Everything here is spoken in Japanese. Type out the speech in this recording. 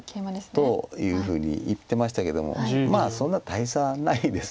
というふうに言ってましたけどもまあそんな大差ないです。